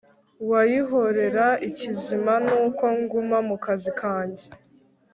wayihorera ikizima nuko nguma mukazi kajye